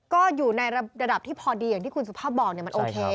ก็อยู่ในระดับที่พอดีอย่างที่คุณสุภาพบอกมันโอเค